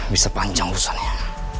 bisa panjang usahanya